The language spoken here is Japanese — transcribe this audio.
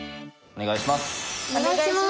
お願いします。